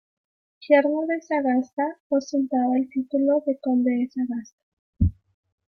Yerno de Sagasta, ostentaba el título de conde de Sagasta.